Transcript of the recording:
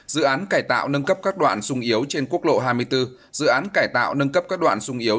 dự án cải tạo nâng cấp các đoạn sung yếu trên quốc lộ hai mươi bốn dự án cải tạo nâng cấp các đoạn sung yếu